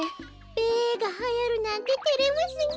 べがはやるなんててれますねえ。